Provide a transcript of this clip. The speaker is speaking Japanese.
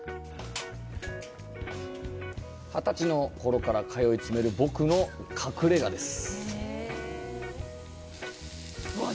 二十のころから通いつめる僕の隠れ家です。